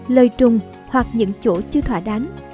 lời trùng hoặc những chỗ chưa thỏa đáng